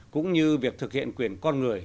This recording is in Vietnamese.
cũng như việc thực hiện quyền con người